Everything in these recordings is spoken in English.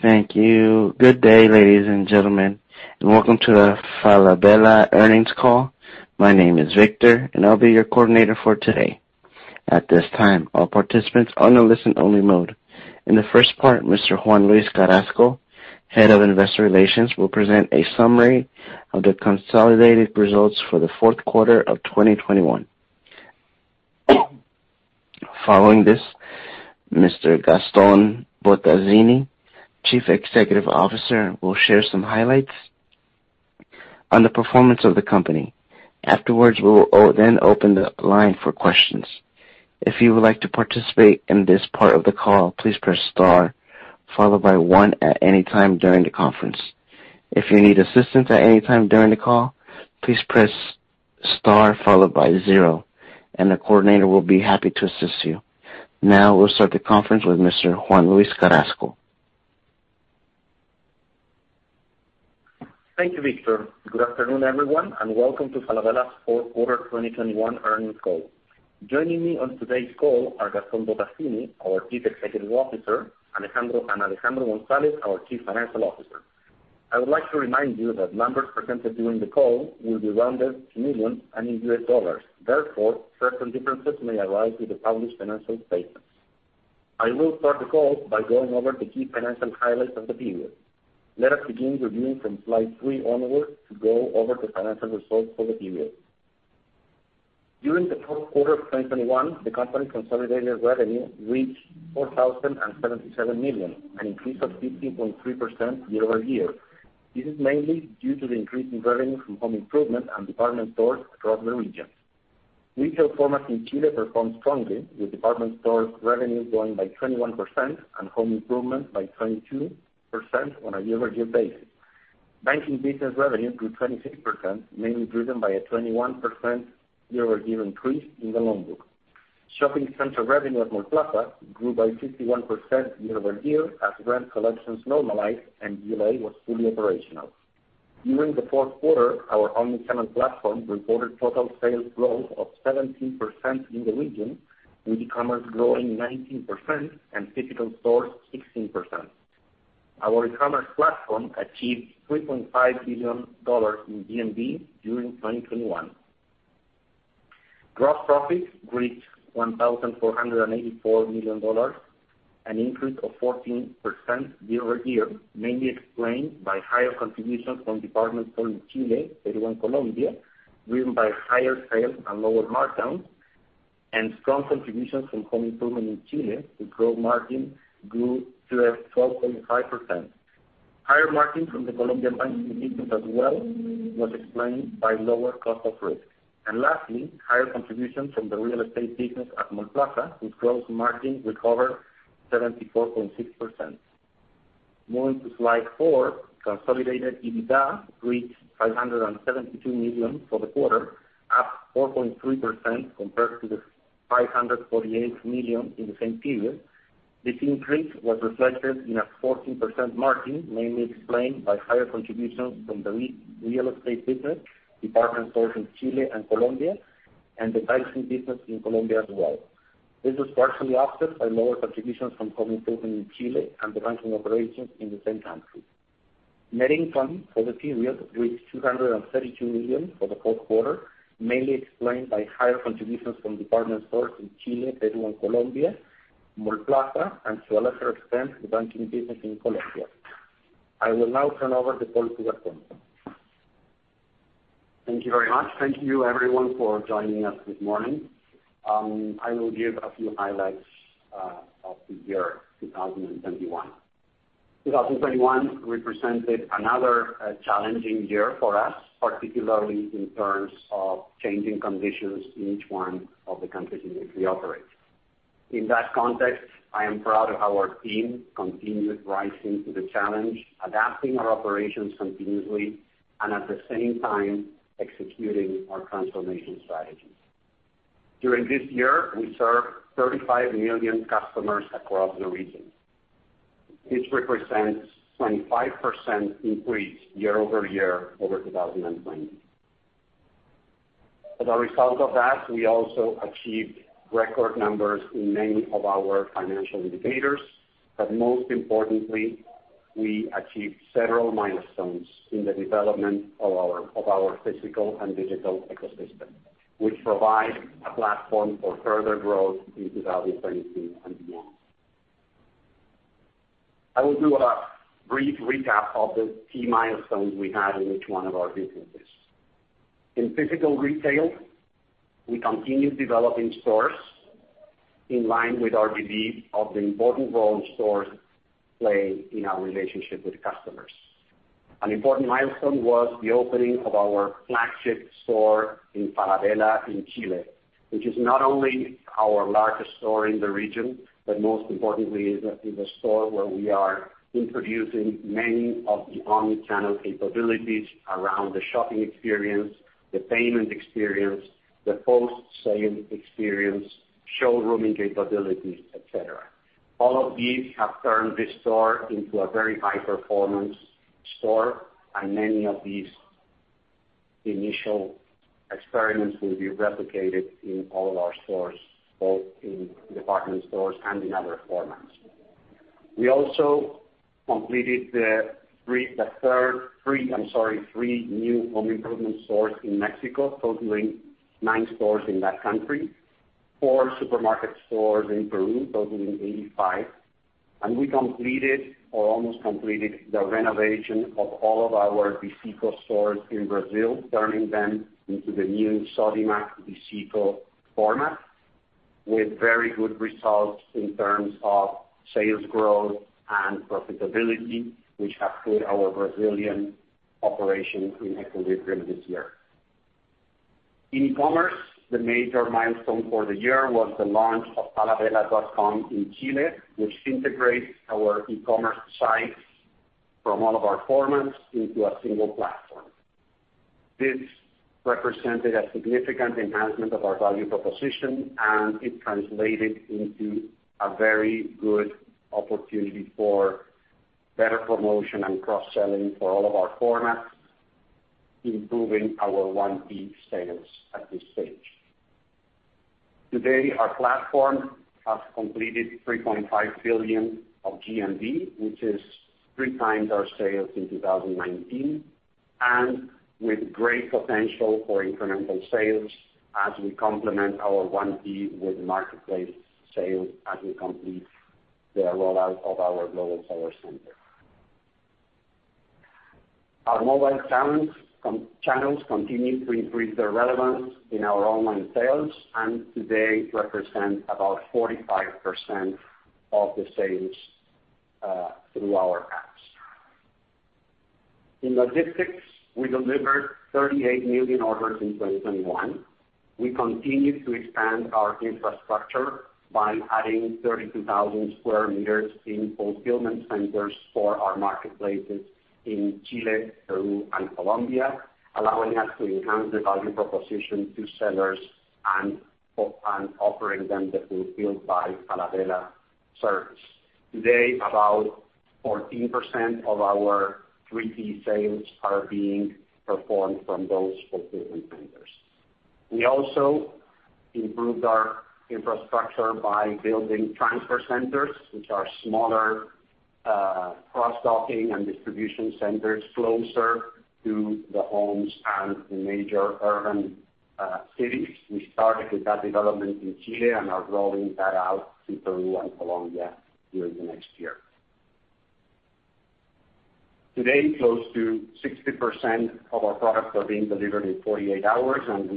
Thank you. Good day, ladies and gentlemen, and welcome to the Falabella earnings call. My name is Victor, and I'll be your coordinator for today. At this time, all participants are in a listen only mode. In the first part, Mr. Juan-Luis Carrasco, Head of Investor Relations, will present a summary of the consolidated results for the fourth quarter of 2021. Following this, Mr. Gastón Bottazzini, Chief Executive Officer, will share some highlights on the performance of the company. Afterwards, we will then open the line for questions. If you would like to participate in this part of the call, please press star followed by one at any time during the conference. If you need assistance at any time during the call, please press star followed by zero, and the coordinator will be happy to assist you. Now we'll start the conference with Mr. Juan-Luis Carrasco. Thank you, Victor. Good afternoon, everyone, and welcome to Falabella's fourth quarter 2021 earnings call. Joining me on today's call are Gastón Bottazzini, our Chief Executive Officer, Alejandro González, our Chief Financial Officer. I would like to remind you that numbers presented during the call will be rounded to millions and in US dollars. Therefore, certain differences may arise with the published financial statements. I will start the call by going over the key financial highlights of the period. Let us begin reviewing from slide three onwards to go over the financial results for the period. During the fourth quarter of 2021, the company's consolidated revenue reached $4,077 million, an increase of 15.3% year-over-year. This is mainly due to the increase in revenue from home improvement and department stores across the region. Retail formats in Chile performed strongly, with department store revenue growing by 21% and home improvement by 22% on a year-over-year basis. Banking business revenue grew 23%, mainly driven by a 21% year-over-year increase in the loan book. Shopping center revenue at Mallplaza grew by 51% year-over-year as rent collections normalized and ULA was fully operational. During the fourth quarter, our omni-channel platform reported total sales growth of 17% in the region, with e-commerce growing 19% and physical stores 16%. Our e-commerce platform achieved $3.5 billion in GMV during 2021. Gross profits reached $1,484 million, an increase of 14% year-over-year, mainly explained by higher contributions from department stores in Chile, Peru, and Colombia, driven by higher sales and lower markdowns, and strong contributions from home improvement in Chile, with gross margin grew to 12.5%. Higher margin from the Colombian banking business as well was explained by lower cost of risk. Lastly, higher contributions from the real estate business at Mallplaza, with gross margin recovered 74.6%. Moving to slide four, consolidated EBITDA reached $572 million for the quarter, up 4.3% compared to the $548 million in the same period. This increase was reflected in a 14% margin, mainly explained by higher contributions from the real estate business, department stores in Chile and Colombia, and the banking business in Colombia as well. This was partially offset by lower contributions from home improvement in Chile and the banking operations in the same country. Net income for the period reached $232 million for the fourth quarter, mainly explained by higher contributions from department stores in Chile, Peru, and Colombia, Mallplaza, and to a lesser extent, the banking business in Colombia. I will now turn over the call to Gaston. Thank you very much. Thank you everyone for joining us this morning. I will give a few highlights of the year 2021. 2021 represented another challenging year for us, particularly in terms of changing conditions in each one of the countries in which we operate. In that context, I am proud of how our team continued rising to the challenge, adapting our operations continuously and at the same time executing our transformation strategies. During this year, we served 35 million customers across the region, which represents 25% increase year-over-year over 2020. As a result of that, we also achieved record numbers in many of our financial indicators, but most importantly, we achieved several milestones in the development of our physical and digital ecosystem, which provide a platform for further growth in 2022 and beyond. I will do a brief recap of the key milestones we had in each one of our businesses. In physical retail, we continued developing stores in line with our belief of the important role stores play in our relationship with customers. An important milestone was the opening of our flagship store in Falabella in Chile, which is not only our largest store in the region, but most importantly is the store where we are introducing many of the omni-channel capabilities around the shopping experience, the payment experience, the post-sale experience, showrooming capabilities, et cetera. All of these have turned this store into a very high performance store, and many of these capabilities. The initial experiments will be replicated in all of our stores, both in department stores and in other formats. We also completed the three new home improvement stores in Mexico, totaling nine stores in that country, four supermarket stores in Peru, totaling 85. We completed or almost completed the renovation of all of our Dicico stores in Brazil, turning them into the new Sodimac Dicico format with very good results in terms of sales growth and profitability, which have put our Brazilian operations in equilibrium this year. In e-commerce, the major milestone for the year was the launch of falabella.com in Chile, which integrates our e-commerce sites from all of our formats into a single platform. This represented a significant enhancement of our value proposition, and it translated into a very good opportunity for better promotion and cross-selling for all of our formats, improving our 1P sales at this stage. Today, our platform has completed $3.5 billion of GMV, which is three times our sales in 2019, and with great potential for incremental sales as we complement our 1P with marketplace sales as we complete the rollout of our Global Seller Center. Our mobile channels, combined channels continue to increase their relevance in our online sales, and today represent about 45% of the sales through our apps. In logistics, we delivered 38 million orders in 2021. We continue to expand our infrastructure by adding 32,000 sq m in fulfillment centers for our marketplaces in Chile, Peru, and Colombia, allowing us to enhance the value proposition to sellers and offering them the Fulfilled by Falabella service. Today, about 14% of our three key sales are being performed from those fulfillment centers. We also improved our infrastructure by building transfer centers, which are smaller, cross-docking and distribution centers closer to the homes and the major urban cities. We started with that development in Chile and are rolling that out to Peru and Colombia during the next year. Today, close to 60% of our products are being delivered in 48 hours, and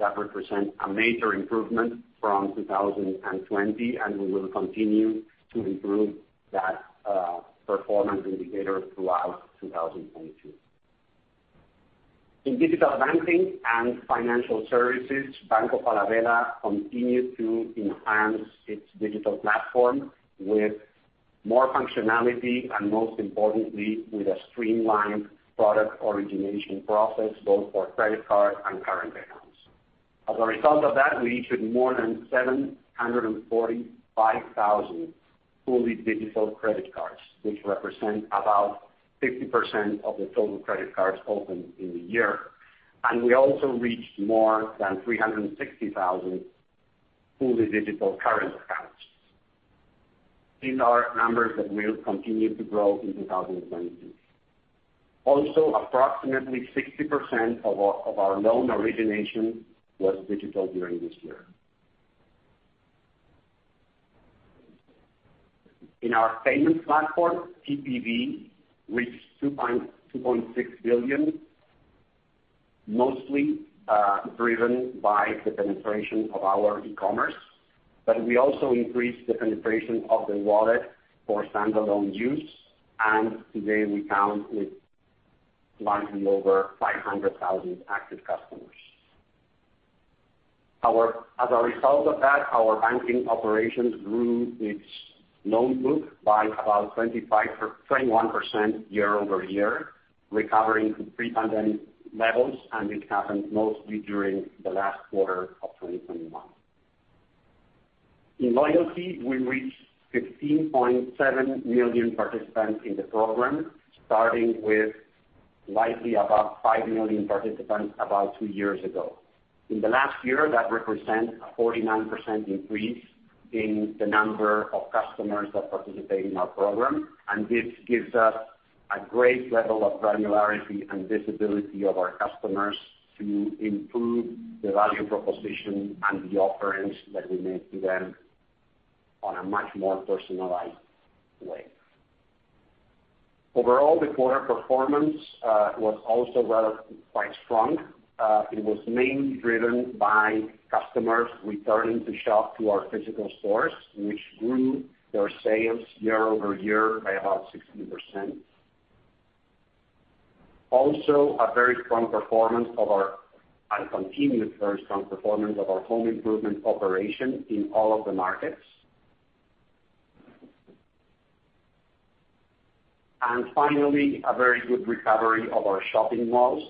that represent a major improvement from 2020, and we will continue to improve that performance indicator throughout 2022. In digital banking and financial services, Banco Falabella continued to enhance its digital platform with more functionality and most importantly, with a streamlined product origination process, both for credit card and current accounts. As a result of that, we issued more than 745,000 fully digital credit cards, which represent about 50% of the total credit cards opened in the year. We also reached more than 360,000 fully digital current accounts. These are numbers that will continue to grow in 2022. Also, approximately 60% of our loan origination was digital during this year. In our payments platform, TPV reached $2.6 billion, mostly driven by the penetration of our e-commerce. we also increased the penetration of the wallet for standalone use, and today we count with largely over 500,000 active customers. As a result of that, our banking operations grew its loan book by about 21% year-over-year, recovering to pre-pandemic levels, and it happened mostly during the last quarter of 2021. In loyalty, we reached 16.7 million participants in the program, starting with likely about 5 million participants about two years ago. In the last year, that represents a 49% increase in the number of customers that participate in our program. This gives us a great level of granularity and visibility of our customers to improve the value proposition and the offerings that we make to them on a much more personalized way. Overall, the quarter performance was also rather quite strong. It was mainly driven by customers returning to shop to our physical stores, which grew their sales year-over-year by about 16%. Also, a very strong performance and continued very strong performance of our home improvement operation in all of the markets. Finally, a very good recovery of our shopping malls,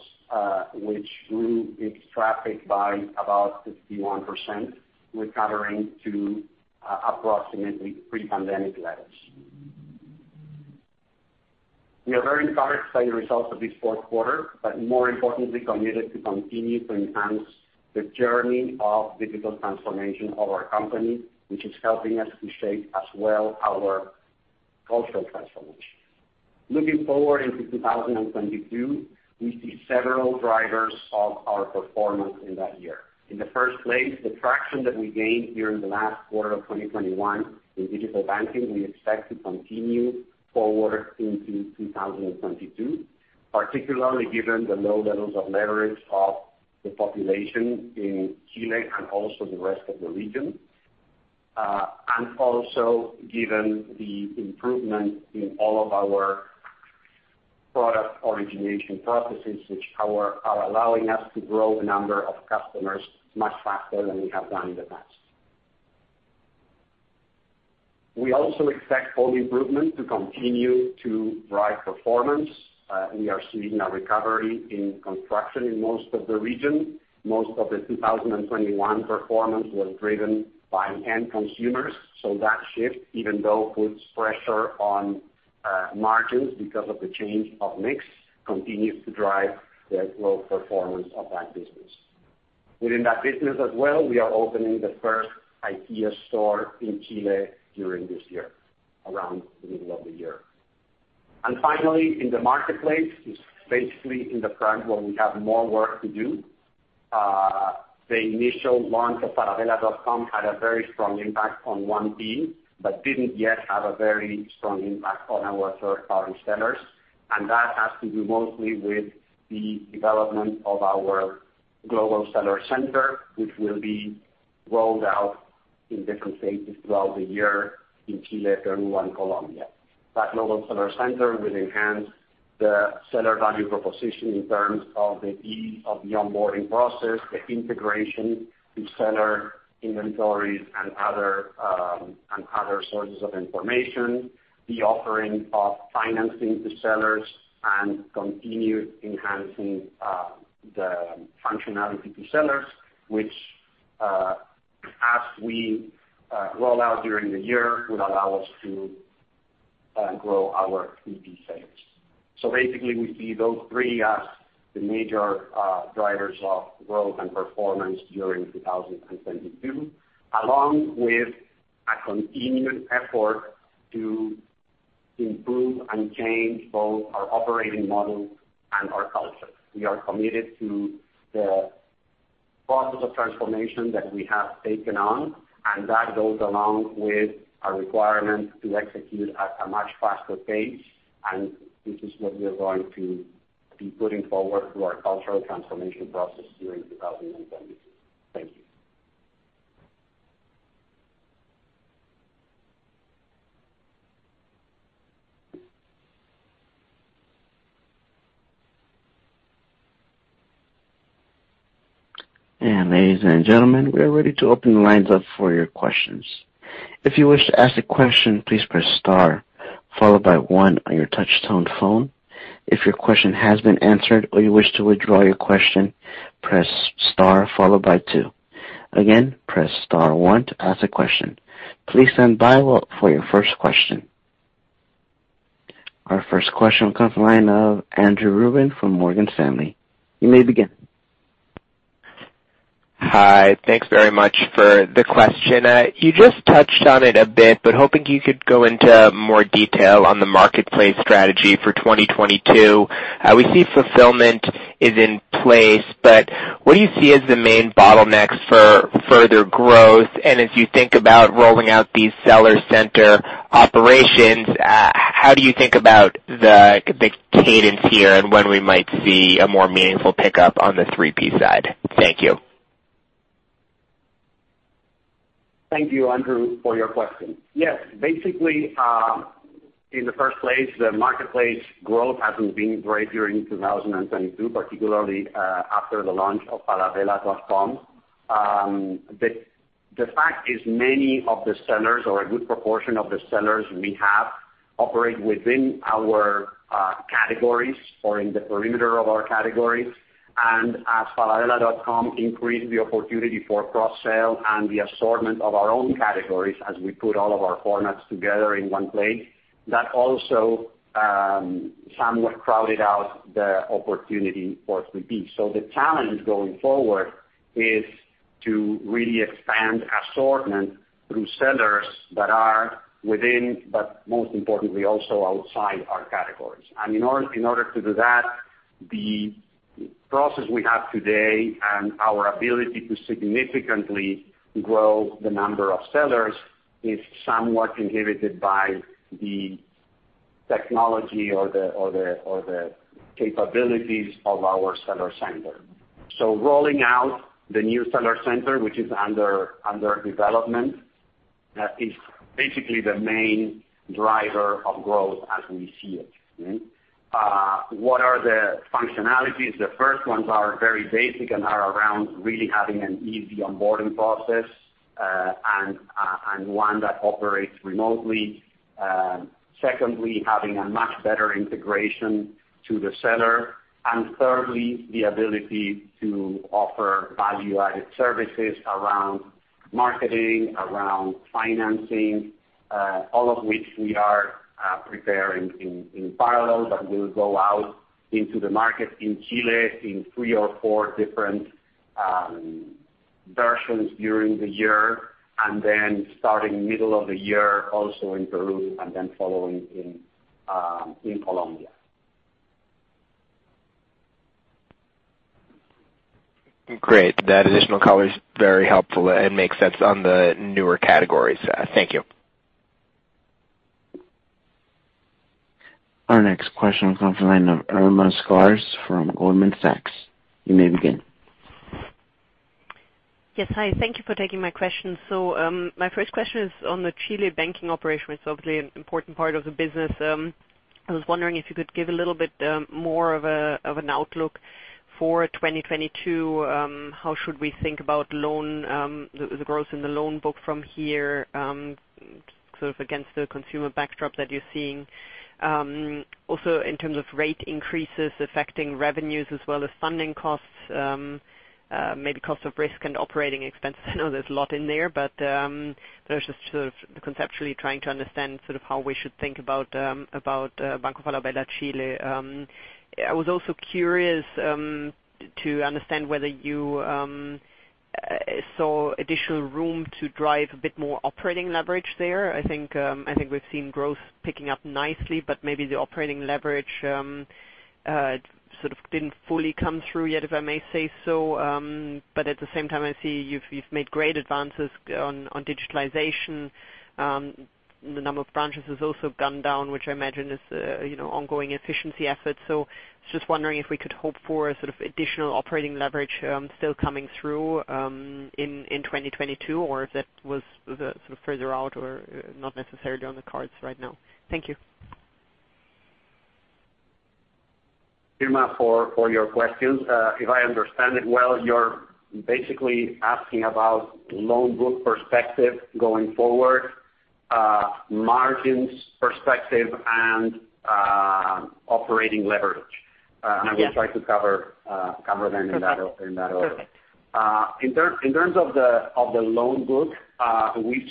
which grew its traffic by about 51%, recovering to approximately pre-pandemic levels. We are very encouraged by the results of this fourth quarter, but more importantly, committed to continue to enhance the journey of digital transformation of our company, which is helping us to shape as well our cultural transformation. Looking forward into 2022, we see several drivers of our performance in that year. In the first place, the traction that we gained during the last quarter of 2021 in digital banking we expect to continue forward into 2022, particularly given the low levels of leverage of the population in Chile and also the rest of the region and also given the improvement in all of our product origination processes, which are allowing us to grow the number of customers much faster than we have done in the past. We also expect home improvement to continue to drive performance. We are seeing a recovery in construction in most of the region. Most of the 2021 performance was driven by end consumers. That shift, even though puts pressure on margins because of the change of mix, continues to drive the growth performance of that business. Within that business as well, we are opening the first IKEA store in Chile during this year, around the middle of the year. Finally, in the marketplace, it's basically in the front where we have more work to do. The initial launch of falabella.com had a very strong impact on one team, but didn't yet have a very strong impact on our third-party sellers. That has to do mostly with the development of our Global Seller Center, which will be rolled out in different phases throughout the year in Chile, Peru, and Colombia. That Global Seller Center will enhance the seller value proposition in terms of the ease of the onboarding process, the integration to seller inventories and other sources of information, the offering of financing to sellers, and continue enhancing the functionality to sellers, which, as we roll out during the year, would allow us to grow our 3P sales. Basically, we see those three as the major drivers of growth and performance during 2022, along with a continued effort to improve and change both our operating model and our culture. We are committed to the process of transformation that we have taken on, and that goes along with our requirement to execute at a much faster pace, and this is what we are going to be putting forward through our cultural transformation process during 2022. Thank you. Ladies and gentlemen, we are ready to open the lines up for your questions. If you wish to ask a question, please press star followed by one on your touch tone phone. If your question has been answered or you wish to withdraw your question, press star followed by two. Again, press star one to ask a question. Please stand by for your first question. Our first question comes from the line of Andrew Ruben from Morgan Stanley. You may begin. Hi. Thanks very much for the question. You just touched on it a bit, but hoping you could go into more detail on the marketplace strategy for 2022. We see fulfillment is in place, but what do you see as the main bottlenecks for further growth? As you think about rolling out these seller center operations, how do you think about the cadence here and when we might see a more meaningful pickup on the 3P side? Thank you. Thank you, Andrew, for your question. Yes. Basically, in the first place, the marketplace growth hasn't been great during 2022, particularly, after the launch of falabella.com. The fact is many of the sellers or a good proportion of the sellers we have operate within our categories or in the perimeter of our categories. falabella.com increased the opportunity for cross-sale and the assortment of our own categories as we put all of our formats together in one place, that also, somewhat crowded out the opportunity for 3P. The challenge going forward is to really expand assortment through sellers that are within, but most importantly, also outside our categories. In order to do that, the process we have today and our ability to significantly grow the number of sellers is somewhat inhibited by the technology or the capabilities of our seller center. Rolling out the new seller center, which is under development, is basically the main driver of growth as we see it, okay. What are the functionalities? The first ones are very basic and are around really having an easy onboarding process, and one that operates remotely. Secondly, having a much better integration to the seller. Thirdly, the ability to offer value-added services around marketing around financing, all of which we are preparing in parallel that will go out into the market in Chile in three or four different versions during the year. Starting middle of the year, also in Peru and then following in Colombia. Great. That additional color is very helpful and makes sense on the newer categories. Thank you. Our next question comes from the line of Irma Sgarz from Goldman Sachs. You may begin. Yes. Hi. Thank you for taking my question. My first question is on the Chile banking operation. It's obviously an important part of the business. I was wondering if you could give a little bit more of an outlook for 2022. How should we think about the growth in the loan book from here, sort of against the consumer backdrop that you're seeing? Also in terms of rate increases affecting revenues as well as funding costs, maybe cost of risk and operating expenses. I know there's a lot in there, but I'm just sort of conceptually trying to understand sort of how we should think about Banco Falabella Chile. I was also curious to understand whether you saw additional room to drive a bit more operating leverage there. I think we've seen growth picking up nicely, but maybe the operating leverage sort of didn't fully come through yet, if I may say so. At the same time, I see you've made great advances on digitalization. The number of branches has also gone down, which I imagine is, you know, ongoing efficiency efforts. Just wondering if we could hope for sort of additional operating leverage still coming through in 2022, or if that was the sort of further out or not necessarily on the cards right now. Thank you. Irma, for your questions. If I understand it well, you're basically asking about loan book perspective going forward, margins perspective and operating leverage. Yes. I will try to cover them in that order. Okay. In terms of the loan book, you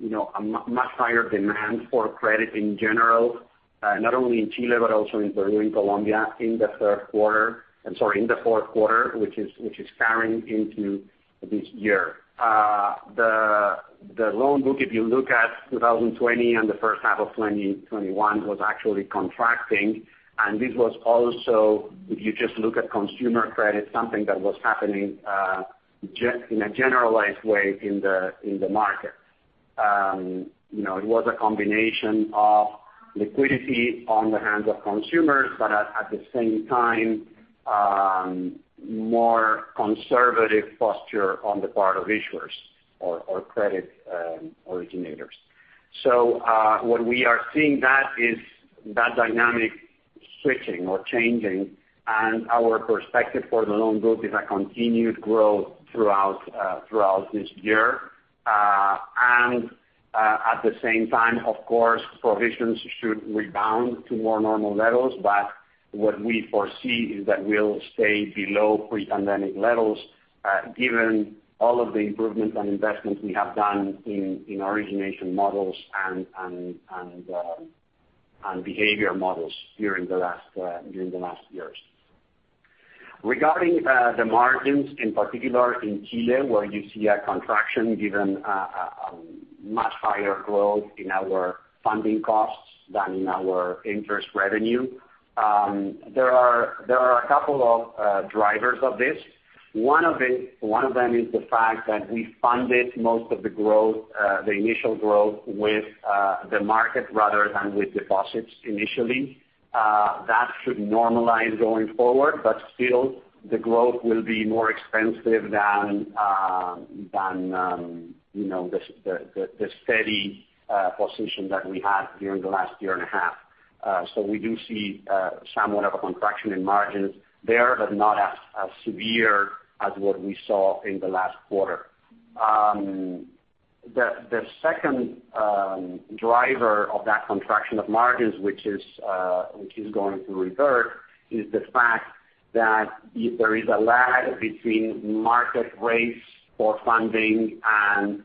know, much higher demand for credit in general, not only in Chile, but also in Peru and Colombia in the third quarter. I'm sorry, in the fourth quarter, which is carrying into this year. The loan book, if you look at 2020 and the first half of 2021, was actually contracting, and this was also, if you just look at consumer credit, something that was happening in a generalized way in the market. You know, it was a combination of liquidity on the hands of consumers, but at the same time, more conservative posture on the part of issuers or credit originators. What we are seeing is that dynamic switching or changing, and our perspective for the loan book is a continued growth throughout this year. At the same time, of course, provisions should rebound to more normal levels. But what we foresee is that we'll stay below pre-pandemic levels, given all of the improvements and investments we have done in origination models and behavior models during the last years. Regarding the margins, in particular in Chile, where you see a contraction given a much higher growth in our funding costs than in our interest revenue, there are a couple of drivers of this. One of them is the fact that we funded most of the growth, the initial growth with the market rather than with deposits initially. That should normalize going forward, but still the growth will be more expensive than, you know, the steady position that we had during the last year and a half. So we do see somewhat of a contraction in margins there, but not as severe as what we saw in the last quarter. The second driver of that contraction of margins, which is going to revert, is the fact that if there is a lag between market rates for funding and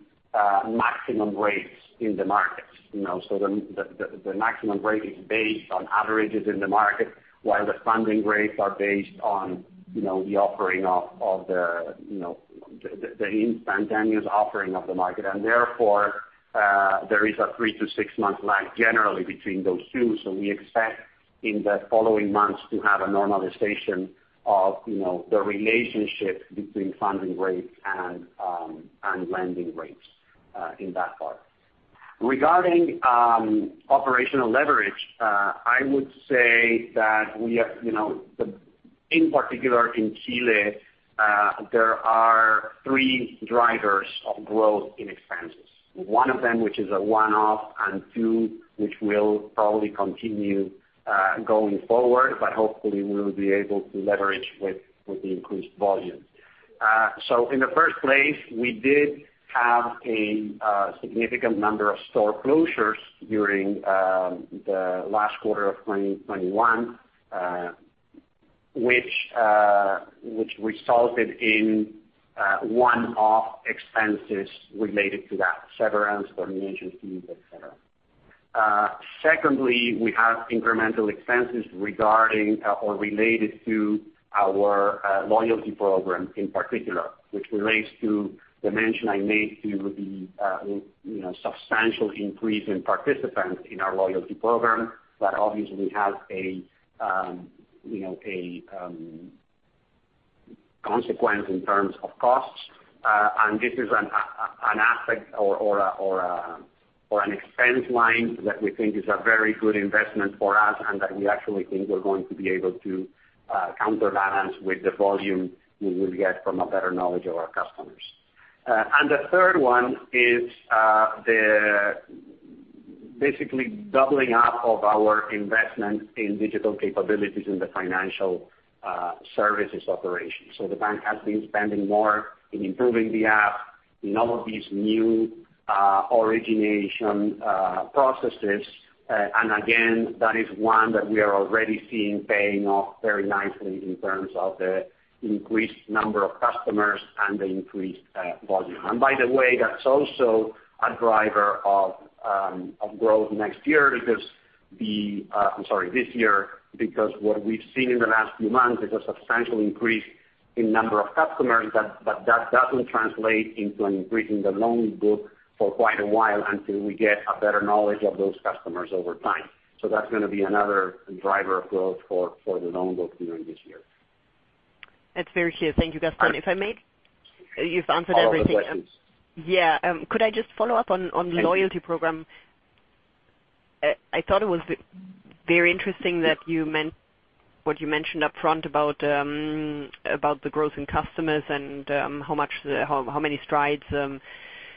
maximum rates in the markets, you know. The maximum rate is based on averages in the market, while the funding rates are based on, you know, the offering of the instantaneous offering of the market. Therefore, there is a 3-6 month lag generally between those two. We expect in the following months to have a normalization of, you know, the relationship between funding rates and lending rates in that part. Regarding operational leverage, I would say that we have, you know, in particular in Chile, there are three drivers of growth in expenses. One of them, which is a one-off, and two, which will probably continue going forward, but hopefully we'll be able to leverage with the increased volume. In the first place, we did have a significant number of store closures during the last quarter of 2021, which resulted in one-off expenses related to that, severance, termination fees, et cetera. Secondly, we have incremental expenses regarding or related to our loyalty program in particular, which relates to the mention I made to the, you know, substantial increase in participants in our loyalty program that obviously has a, you know, a consequence in terms of costs. This is an aspect or an expense line that we think is a very good investment for us and that we actually think we're going to be able to counterbalance with the volume we will get from a better knowledge of our customers. The third one is the basically doubling up of our investment in digital capabilities in the financial services operation. The bank has been spending more in improving the app in all of these new origination processes. Again, that is one that we are already seeing paying off very nicely in terms of the increased number of customers and the increased volume. By the way, that's also a driver of growth this year because what we've seen in the last few months is a substantial increase in number of customers that will translate into an increase in the loan book for quite a while until we get a better knowledge of those customers over time. That's gonna be another driver of growth for the loan book during this year. That's very clear. Thank you, Gastón. If I may- All right. You've answered everything. Follow-up questions. Yeah. Could I just follow up on the loyalty program? I thought it was very interesting that you mentioned upfront about the growth in customers and how many strides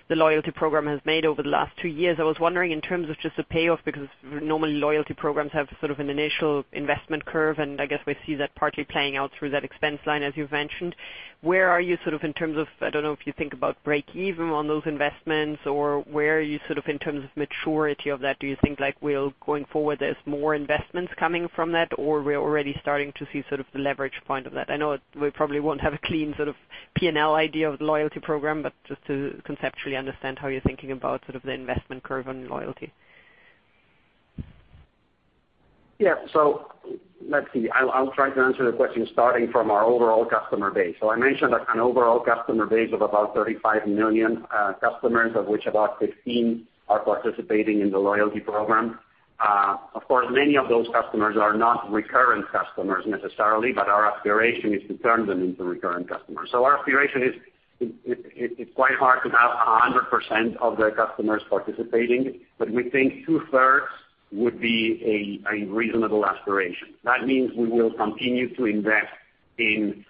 the loyalty program has made over the last two years. I was wondering in terms of just the payoff, because normally loyalty programs have sort of an initial investment curve, and I guess we see that partly playing out through that expense line, as you mentioned. Where are you sort of in terms of, I don't know if you think about break even on those investments or where are you sort of in terms of maturity of that? Do you think like going forward, there's more investments coming from that, or we're already starting to see sort of the leverage point of that? I know we probably won't have a clean sort of P&L idea of the loyalty program, but just to conceptually understand how you're thinking about sort of the investment curve on loyalty. Yeah. Let's see. I'll try to answer the question starting from our overall customer base. I mentioned an overall customer base of about 35 million customers, of which about 15 are participating in the loyalty program. Of course, many of those customers are not recurrent customers necessarily, but our aspiration is to turn them into recurrent customers. Our aspiration is it's quite hard to have 100% of the customers participating, but we think two-thirds would be a reasonable aspiration. That means we will continue to invest in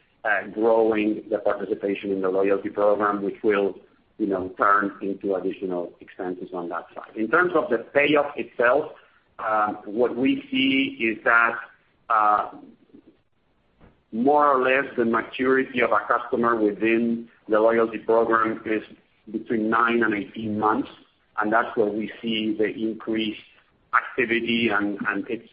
growing the participation in the loyalty program, which will, you know, turn into additional expenses on that side. In terms of the payoff itself, what we see is that, more or less, the maturity of a customer within the loyalty program is between nine and 18 months, and that's where we see the increased activity, and it's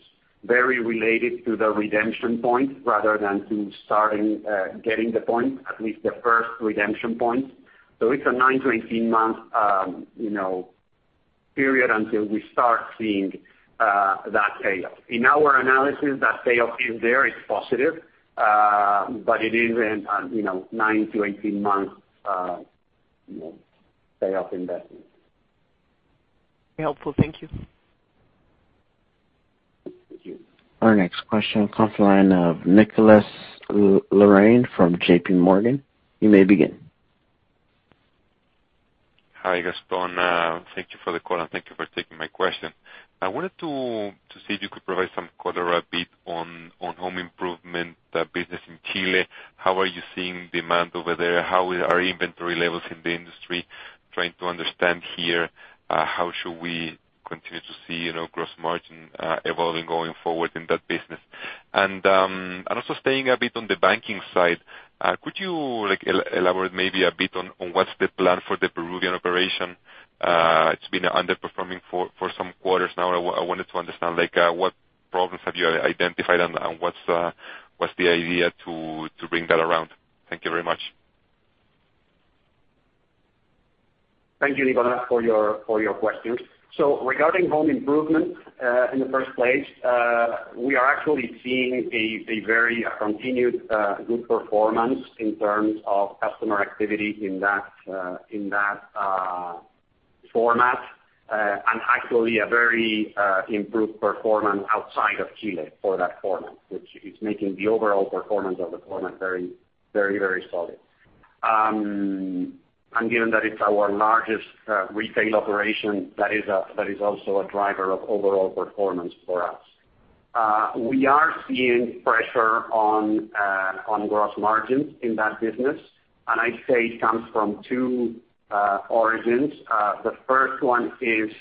very related to the redemption points rather than to starting, getting the points, at least the first redemption points. It's a 9-to-18-month, you know, period until we start seeing that payoff. In our analysis, that payoff is there, it's positive, but it is in, you know, nine to 18 months, you know, payoff investment. Helpful. Thank you. Thank you. Our next question comes from the line of Nicolás Larraín from J.P. Morgan. You may begin. Hi, Gastón. Thank you for the call, and thank you for taking my question. I wanted to see if you could provide some color a bit on home improvement business in Chile. How are you seeing demand over there? How are inventory levels in the industry? I'm trying to understand here how we should continue to see, you know, gross margin evolving going forward in that business. Also staying a bit on the banking side, could you like elaborate maybe a bit on what's the plan for the Peruvian operation? It's been underperforming for some quarters now. I wanted to understand, like, what problems have you identified and what's the idea to bring that around? Thank you very much. Thank you, Nicolás, for your questions. Regarding home improvement, in the first place, we are actually seeing a very continued good performance in terms of customer activity in that format, and actually a very improved performance outside of Chile for that format, which is making the overall performance of the format very solid. And given that it's our largest retail operation, that is also a driver of overall performance for us. We are seeing pressure on gross margins in that business, and I'd say it comes from two origins. The first one is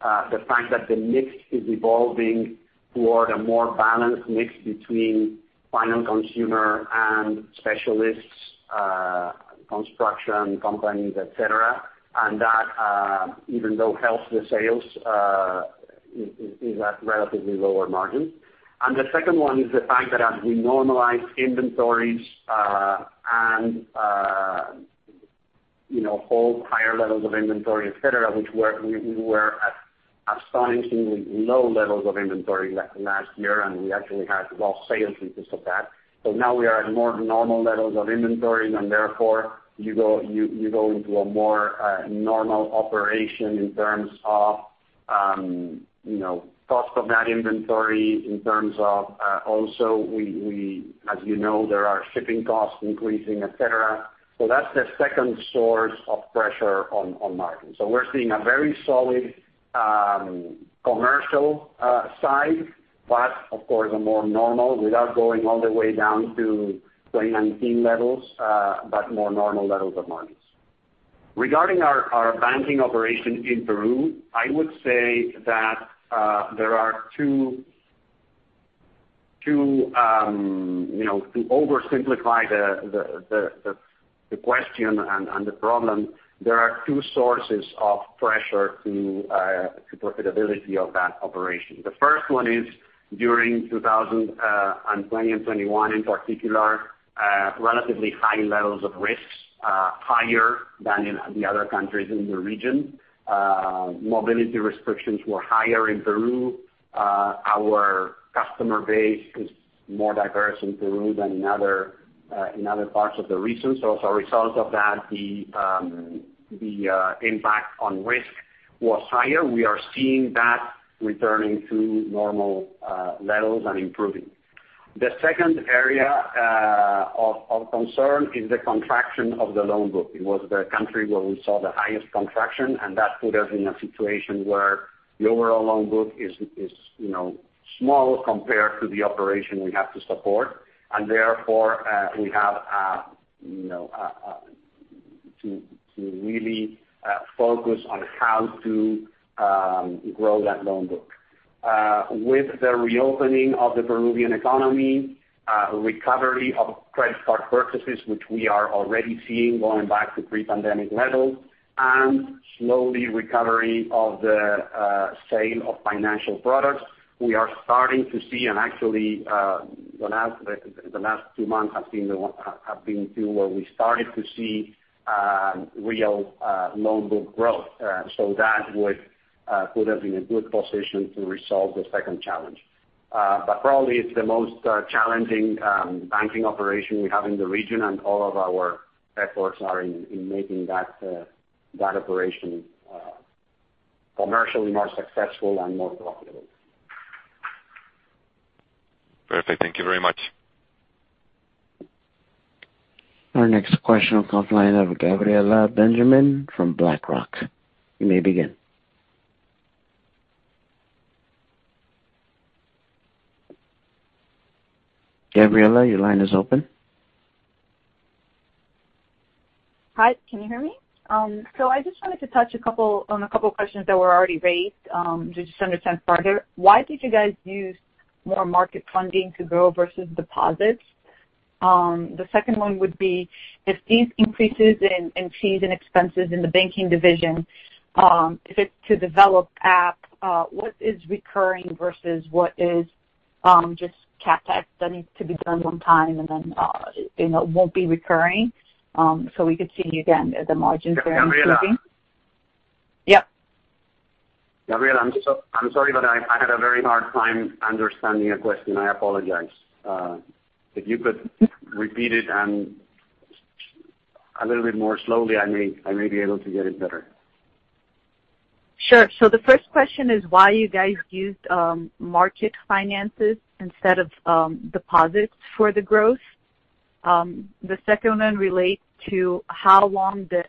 the fact that the mix is evolving toward a more balanced mix between final consumer and specialists, construction companies, et cetera. That even though it helps the sales, it is at relatively lower margin. The second one is the fact that as we normalize inventories, and you know, hold higher levels of inventory, et cetera, which we were at astonishingly low levels of inventory last year, and we actually had lost sales because of that. Now we are at more normal levels of inventory, and therefore you go into a more normal operation in terms of you know, cost of that inventory in terms of also we as you know, there are shipping costs increasing, et cetera. That's the second source of pressure on margin. We're seeing a very solid commercial side, but of course a more normal without going all the way down to 2019 levels, but more normal levels of margins. Regarding our banking operation in Peru, I would say that there are two, you know, to oversimplify the question and the problem, there are two sources of pressure to profitability of that operation. The first one is during 2020 and 2021 in particular, relatively high levels of risks, higher than in the other countries in the region. Mobility restrictions were higher in Peru. Our customer base is more diverse in Peru than in other parts of the region. As a result of that, the impact on risk was higher. We are seeing that returning to normal levels and improving. The second area of concern is the contraction of the loan book. It was the country where we saw the highest contraction, and that put us in a situation where the overall loan book is, you know, small compared to the operation we have to support. Therefore, we have, you know, to really focus on how to grow that loan book. With the reopening of the Peruvian economy, recovery of credit card purchases, which we are already seeing going back to pre-pandemic levels and slowly recovery of the sale of financial products, we are starting to see and actually, the last two months have been two where we started to see real loan book growth. That would put us in a good position to resolve the second challenge. Probably it's the most challenging banking operation we have in the region, and all of our efforts are in making that operation commercially more successful and more profitable. Perfect. Thank you very much. Our next question will come from the line of Gabriela Benjamin from BlackRock. You may begin. Gabriela, your line is open. Hi, can you hear me? I just wanted to touch on a couple of questions that were already raised to just understand further. Why did you guys use more market funding to grow versus deposits? The second one would be if these increases in fees and expenses in the banking division if it's to develop app, what is recurring versus what is just CapEx that needs to be done one time and then you know won't be recurring, so we could see again the margins there improving. Gabriella? Yeah. Gabriela, I'm sorry, but I had a very hard time understanding your question. I apologize. If you could repeat it and a little bit more slowly, I may be able to get it better. Sure. The first question is why you guys used market financing instead of deposits for the growth. The second one relates to how long the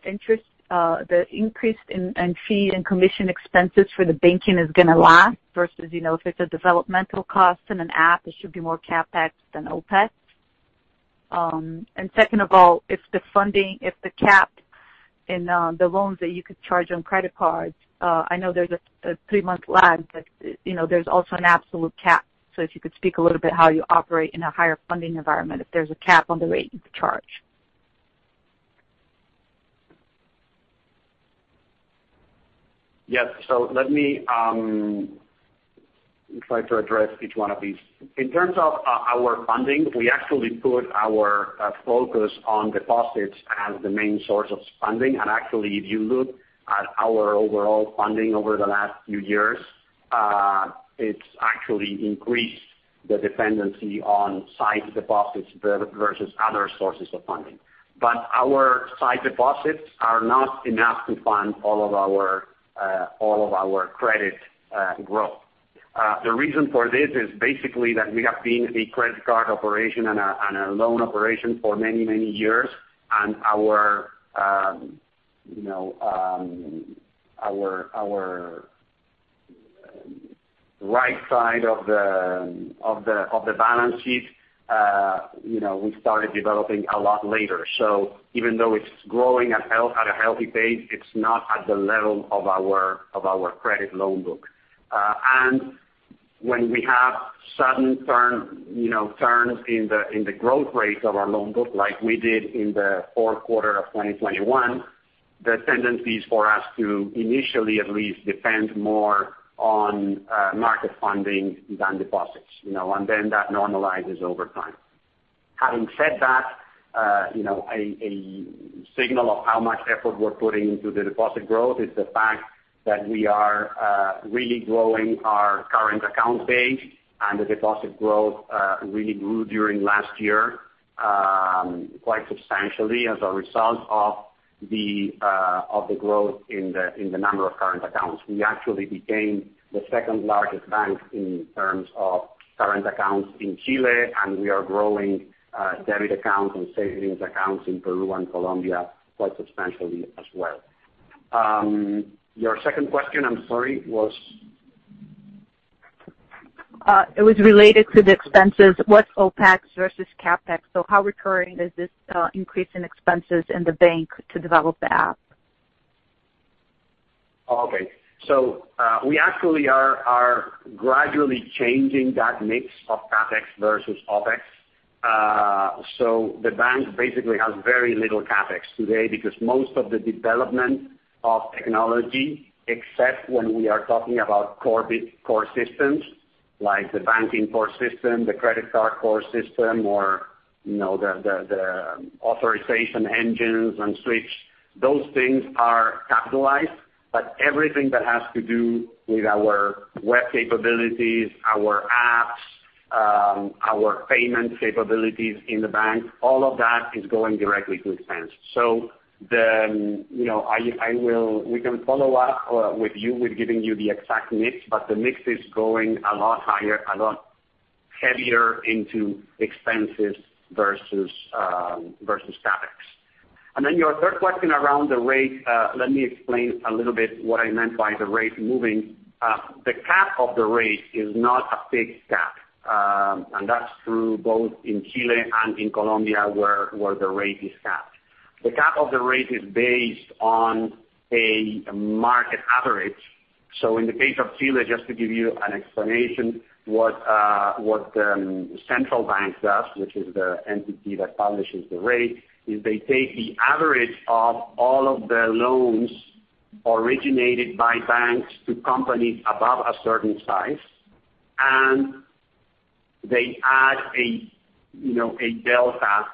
increase in fee and commission expenses for the banking is gonna last versus, you know, if it's a developmental cost in an app, it should be more CapEx than OpEx. And second of all, if the cap on the loans that you could charge on credit cards, I know there's a three-month lag, but, you know, there's also an absolute cap. If you could speak a little bit how you operate in a higher funding environment, if there's a cap on the rate you could charge. Yes. Let me try to address each one of these. In terms of our funding, we actually put our focus on deposits as the main source of funding. Actually, if you look at our overall funding over the last few years, it's actually increased the dependency on sight deposits versus other sources of funding. Our sight deposits are not enough to fund all of our credit growth. The reason for this is basically that we have been a credit card operation and a loan operation for many years. Our you know, our right side of the balance sheet, you know, we started developing a lot later. Even though it's growing at a healthy pace, it's not at the level of our credit loan book. When we have sudden turns in the growth rate of our loan book, like we did in the fourth quarter of 2021, the tendency is for us to initially at least depend more on market funding than deposits, you know, and then that normalizes over time. Having said that, you know, a signal of how much effort we're putting into the deposit growth is the fact that we are really growing our current account base and the deposit growth really grew during last year quite substantially as a result of the growth in the number of current accounts. We actually became the second-largest bank in terms of current accounts in Chile, and we are growing debit accounts and savings accounts in Peru and Colombia quite substantially as well. Your second question, I'm sorry, was? It was related to the expenses. What's OpEx versus CapEx? How recurring is this increase in expenses in the bank to develop the app? Okay. We actually are gradually changing that mix of CapEx versus OpEx. The bank basically has very little CapEx today because most of the development of technology, except when we are talking about core systems, like the banking core system, the credit card core system, or, you know, the authorization engines and switch, those things are capitalized. Everything that has to do with our web capabilities, our apps, our payment capabilities in the bank, all of that is going directly to expense. You know, we can follow up with you with giving you the exact mix, but the mix is going a lot higher, a lot heavier into expenses versus CapEx. Then your third question around the rate, let me explain a little bit what I meant by the rate moving. The cap of the rate is not a fixed cap, and that's true both in Chile and in Colombia, where the rate is capped. The cap of the rate is based on a market average. So in the case of Chile, just to give you an explanation, what the central bank does, which is the entity that publishes the rate, is they take the average of all of the loans originated by banks to companies above a certain size, and they add a, you know, a delta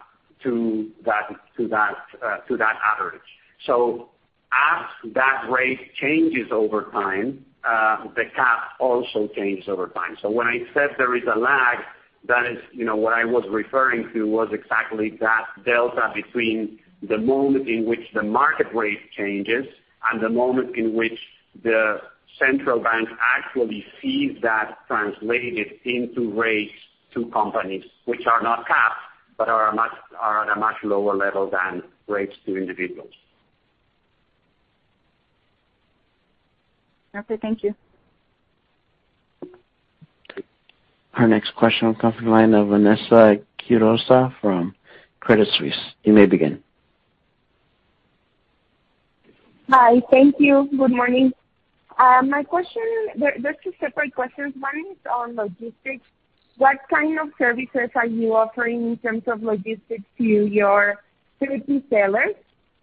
to that average. So as that rate changes over time, the cap also changes over time. When I said there is a lag, that is, you know, what I was referring to was exactly that delta between the moment in which the market rate changes and the moment in which the central bank actually sees that translated into rates to companies, which are not capped, but are at a much lower level than rates to individuals. Okay, thank you. Our next question will come from the line of Vanessa Quiroga from Credit Suisse. You may begin. Hi. Thank you. Good morning. There are two separate questions. One is on logistics. What kind of services are you offering in terms of logistics to your third-party sellers?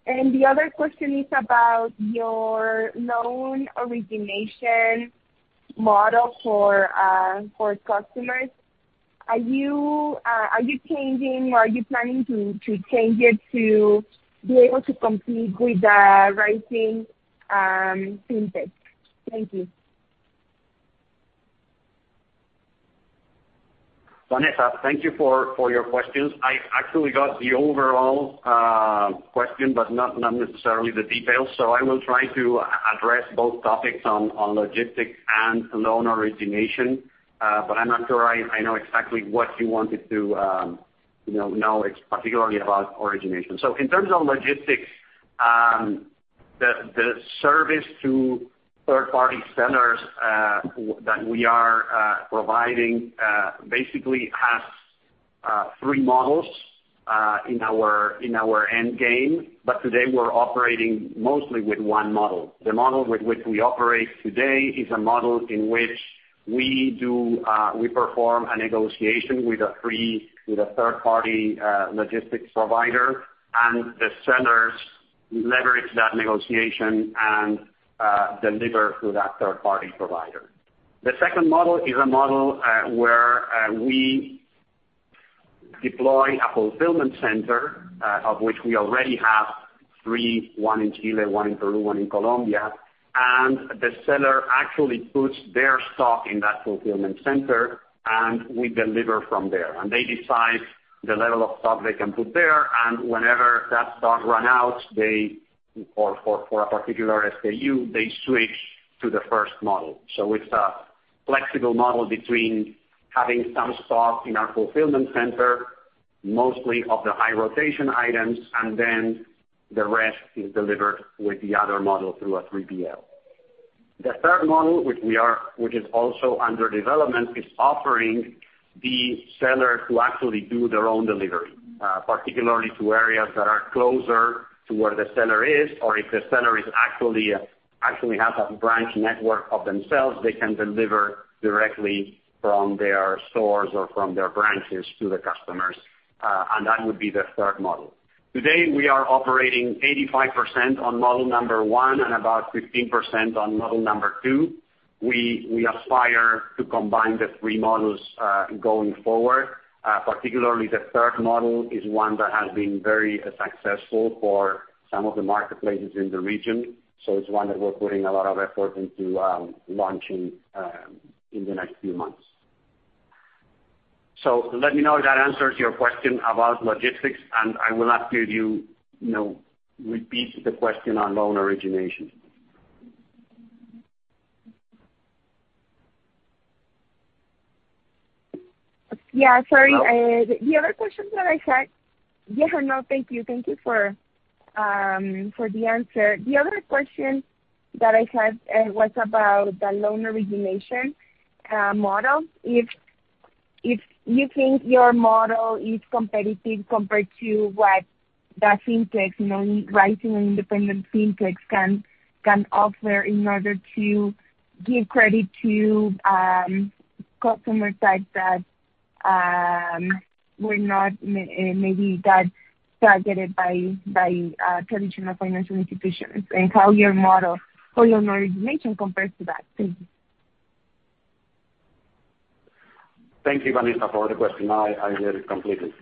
The other question is about your loan origination model for customers. Are you changing or are you planning to change it to be able to compete with the rising FinTech? Thank you. Vanessa, thank you for your questions. I actually got the overall question, but not necessarily the details. I will try to address both topics on logistics and loan origination. I'm not sure I know exactly what you wanted to, you know it's particularly about origination. In terms of logistics, the service to third-party sellers that we are providing basically has three models in our end game. Today we're operating mostly with one model. The model with which we operate today is a model in which we do, we perform a negotiation with a third-party logistics provider, and the sellers leverage that negotiation and deliver through that third-party provider. The second model is a model where we deploy a fulfillment center, of which we already have three, one in Chile, one in Peru, one in Colombia, and the seller actually puts their stock in that fulfillment center, and we deliver from there. They decide the level of stock they can put there, and whenever that stock run out, they for a particular SKU, they switch to the first model. It's a flexible model between having some stock in our fulfillment center, mostly of the high-rotation items, and then the rest is delivered with the other model through a 3PL. The third model, which is also under development, is offering the seller to actually do their own delivery, particularly to areas that are closer to where the seller is, or if the seller actually has a branch network of themselves, they can deliver directly from their stores or from their branches to the customers. That would be the third model. Today, we are operating 85% on model number one and about 15% on model number two. We aspire to combine the three models, going forward. Particularly the third model is one that has been very successful for some of the marketplaces in the region. It's one that we're putting a lot of effort into, launching, in the next few months. Let me know if that answers your question about logistics, and I will ask you know, repeat the question on loan origination. Yeah, sorry. The other question that I had. Yeah, no, thank you. Thank you for the answer. The other question that I had was about the loan origination model. If you think your model is competitive compared to what the FinTech, you know, rising independent FinTechs can offer in order to give credit to customer types that were not maybe that targeted by traditional financial institutions, and how your model for loan origination compares to that. Thank you. Thank you, Vanessa, for the question. I hear it completely.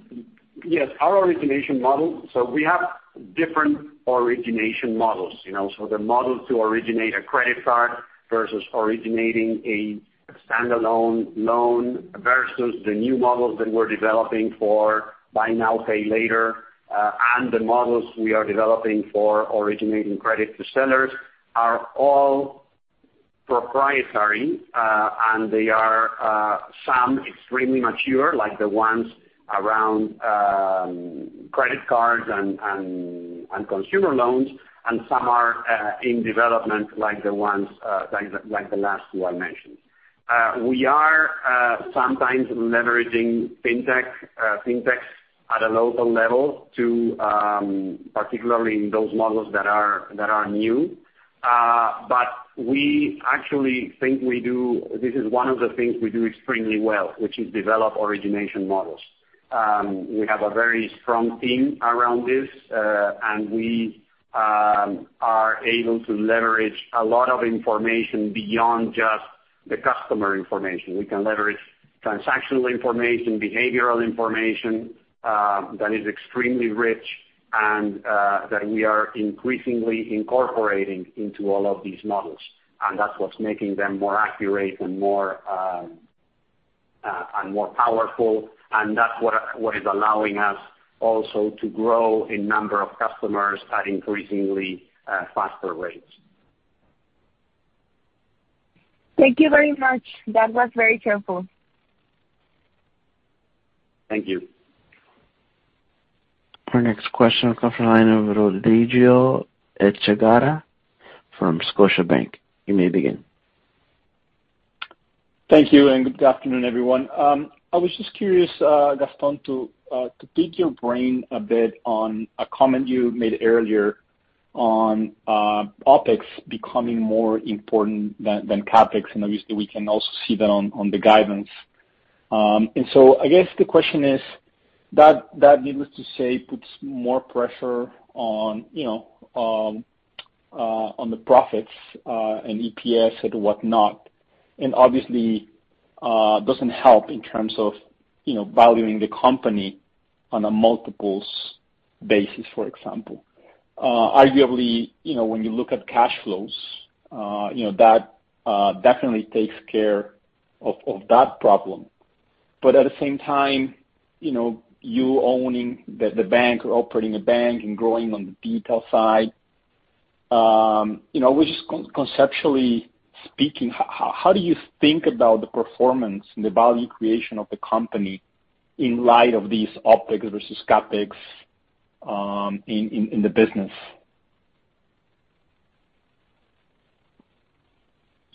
Yes, our origination model. We have different origination models, you know. The models to originate a credit card versus originating a stand-alone loan versus the new models that we're developing for buy now, pay later, and the models we are developing for originating credit to sellers are all proprietary, and they are some extremely mature, like the ones around credit cards and consumer loans, and some are in development like the last two I mentioned. We are sometimes leveraging FinTech FinTechs at a local level to particularly in those models that are new. But we actually think we do. This is one of the things we do extremely well, which is develop origination models. We have a very strong team around this, and we are able to leverage a lot of information beyond just the customer information. We can leverage transactional information, behavioral information, that is extremely rich and that we are increasingly incorporating into all of these models. That's what's making them more accurate and more powerful. That's what is allowing us also to grow in number of customers at increasingly faster rates. Thank you very much. That was very helpful. Thank you. Our next question comes from the line of Rodrigo Echagaray from Scotiabank. You may begin. Thank you, and good afternoon, everyone. I was just curious, Gastón, to pick your brain a bit on a comment you made earlier on OpEx becoming more important than CapEx, and obviously we can also see that on the guidance. I guess the question is that needless to say puts more pressure on you know on the profits and EPS and whatnot, and obviously doesn't help in terms of you know valuing the company on a multiples basis, for example. Arguably, you know, when you look at cash flows, you know, that definitely takes care of that problem. At the same time, you know, you owning the bank or operating a bank and growing on the retail side, you know, we're just conceptually speaking, how do you think about the performance and the value creation of the company in light of these OpEx versus CapEx in the business?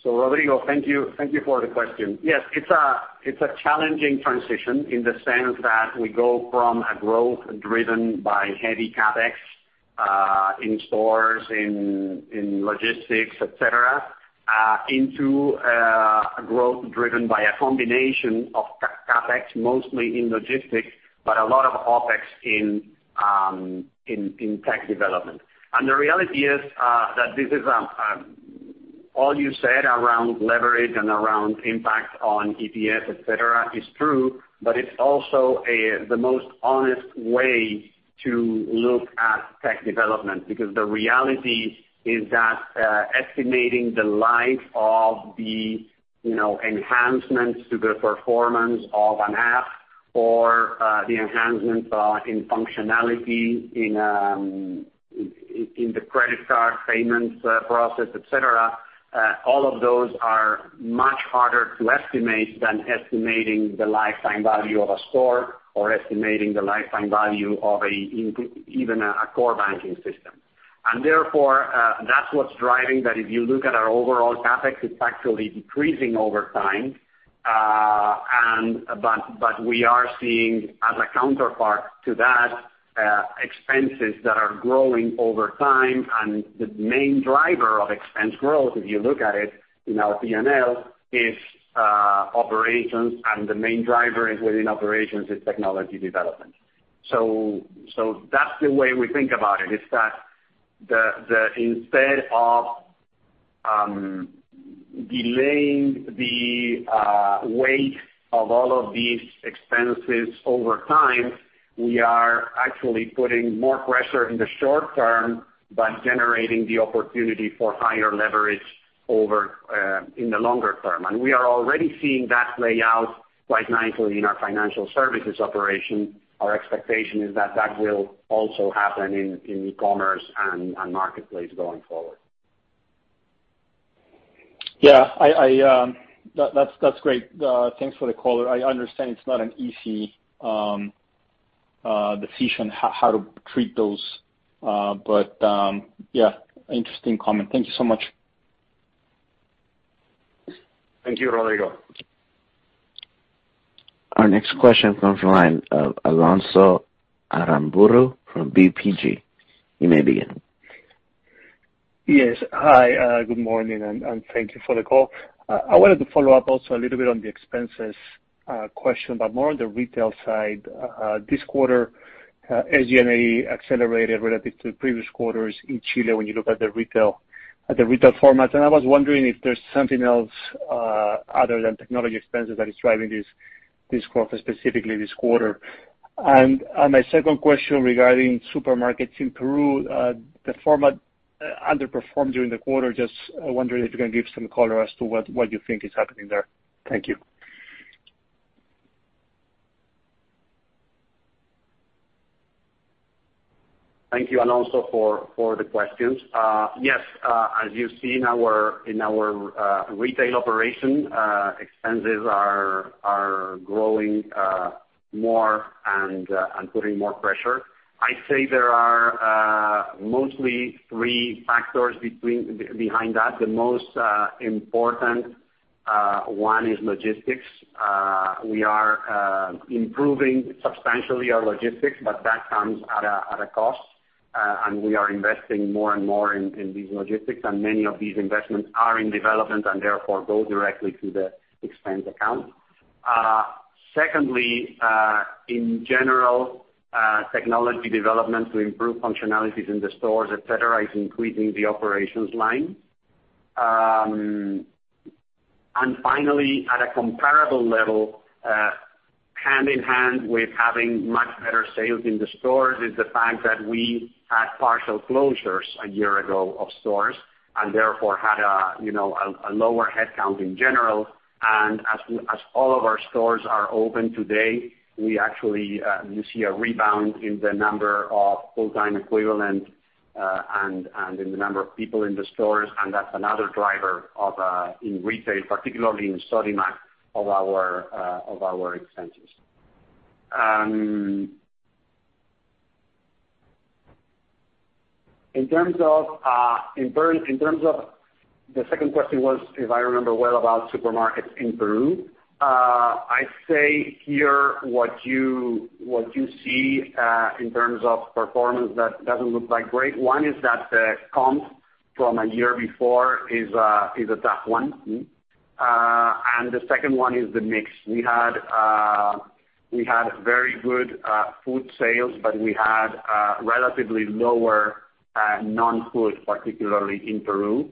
Rodrigo, thank you. Thank you for the question. Yes, it's a challenging transition in the sense that we go from a growth driven by heavy CapEx in stores, in logistics, et cetera, into a growth driven by a combination of CapEx, mostly in logistics, but a lot of OpEx in tech development. The reality is that this is all you said around leverage and around impact on EPS, et cetera, is true, but it's also the most honest way to look at tech development. The reality is that estimating the life of the, you know, enhancements to the performance of an app or the enhancements in functionality in the credit card payments process, et cetera, all of those are much harder to estimate than estimating the lifetime value of a store or estimating the lifetime value of a even a core banking system. Therefore, that's what's driving that if you look at our overall CapEx, it's actually decreasing over time. But we are seeing as a counterpart to that, expenses that are growing over time. The main driver of expense growth, if you look at it in our P&L, is operations, and the main driver within operations is technology development. That's the way we think about it, is that instead of delaying the weight of all of these expenses over time, we are actually putting more pressure in the short term by generating the opportunity for higher leverage over in the longer term. We are already seeing that play out quite nicely in our financial services operation. Our expectation is that that will also happen in e-commerce and marketplace going forward. Yeah, that's great. Thanks for the color. I understand it's not an easy decision how to treat those, but yeah, interesting comment. Thank you so much. Thank you, Rodrigo. Our next question comes from the line of Alonso Aramburu from BTG. You may begin. Yes. Hi, good morning, and thank you for the call. I wanted to follow up also a little bit on the expenses, question, but more on the retail side. This quarter, SG&A accelerated relative to previous quarters in Chile when you look at the retail format. I was wondering if there's something else, other than technology expenses that is driving this quarter, specifically this quarter. My second question regarding supermarkets in Peru, the format, underperformed during the quarter. Just wondering if you can give some color as to what you think is happening there. Thank you. Thank you, Alonso, for the questions. Yes, as you see in our retail operation, expenses are growing more and putting more pressure. I'd say there are mostly three factors behind that. The most important one is logistics. We are improving substantially our logistics, but that comes at a cost. We are investing more and more in these logistics, and many of these investments are in development and therefore go directly to the expense account. Secondly, in general, technology development to improve functionalities in the stores, et cetera, is increasing the operations line. Finally, at a comparable level, hand-in-hand with having much better sales in the stores is the fact that we had partial closures a year ago of stores and therefore had a, you know, lower headcount in general. As all of our stores are open today, we actually see a rebound in the number of full-time equivalent and in the number of people in the stores, and that's another driver of in retail, particularly in Sodimac, of our expenses. In terms of the second question was, if I remember well, about supermarkets in Peru. I'd say here what you see in terms of performance that doesn't look like great. One is that the comp from a year before is a tough one. The second one is the mix. We had very good food sales, but we had relatively lower non-food, particularly in Peru.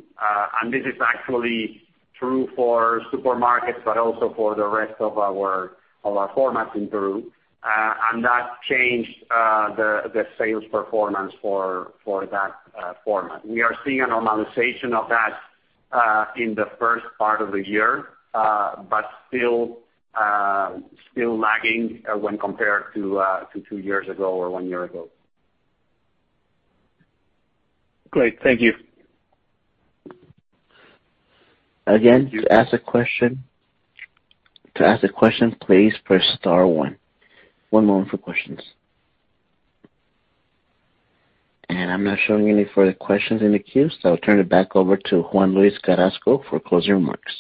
This is actually true for supermarkets, but also for the rest of our formats in Peru. That changed the sales performance for that format. We are seeing a normalization of that in the first part of the year, but still lagging when compared to two years ago or one year ago. Great. Thank you. Again, to ask a question please press star one. One moment for questions. I'm not showing any further questions in the queue, so I'll turn it back over to Juan-Luis Carrasco for closing remarks.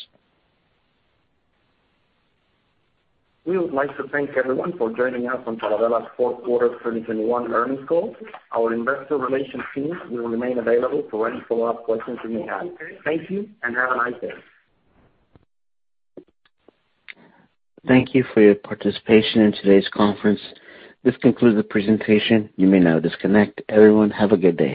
We would like to thank everyone for joining us on Falabella's fourth quarter of 2021 earnings call. Our investor relations team will remain available for any follow-up questions you may have. Thank you, and have a nice day. Thank you for your participation in today's conference. This concludes the presentation. You may now disconnect. Everyone, have a good day.